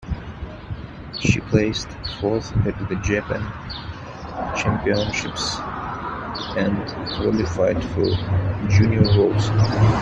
She placed fourth at the Japan Championships and qualified for Junior Worlds.